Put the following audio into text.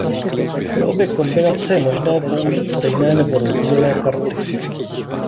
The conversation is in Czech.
Pro obě kombinace je možné použít stejné nebo rozdílné karty.